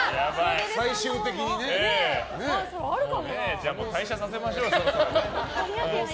じゃあ退社させましょうそろそろ。